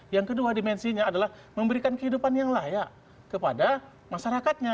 yang kedua dimensinya adalah memberikan kehidupan yang layak kepada masyarakatnya